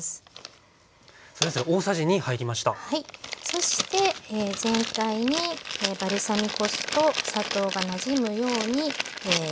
そして全体にバルサミコ酢とお砂糖がなじむように混ぜます。